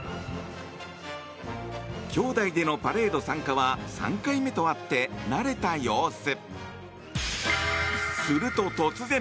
きょうだいでのパレード参加は３回目とあって慣れた様子。